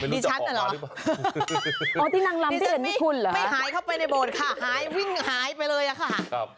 ดิฉันเหรอดิฉันไม่หายเข้าไปในโบสต์ค่ะหายไปเลยล่ะค่ะ